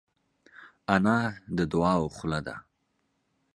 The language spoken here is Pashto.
انا د دعاوو خوله ده